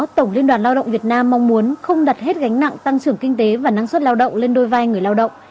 tổng liên đoàn lao động việt nam mong muốn không đặt hết gánh nặng tăng trưởng kinh tế và năng suất lao động lên đôi vai người lao động